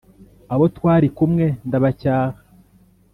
abo twari turi kumwe ndabacyaha